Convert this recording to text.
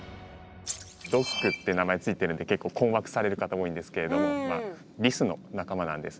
「ドッグ」って名前付いてるんで結構困惑される方多いんですけれどもリスの仲間なんですね。